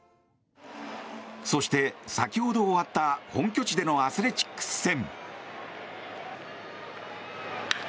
そして、先ほど終わった本拠地でのアスレチックス戦。